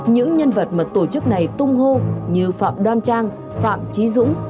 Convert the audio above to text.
những nhân vật mà tổ chức này tung hô như phạm đoan trang phạm trí dũng